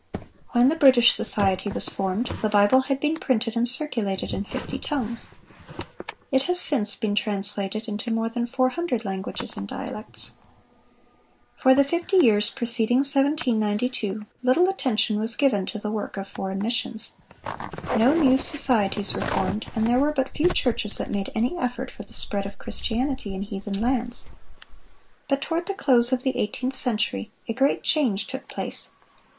When the British Society was formed, the Bible had been printed and circulated in fifty tongues. It has since been translated into more than four hundred languages and dialects.(426) For the fifty years preceding 1792, little attention was given to the work of foreign missions. No new societies were formed, and there were but few churches that made any effort for the spread of Christianity in heathen lands. But toward the close of the eighteenth century a great change took place.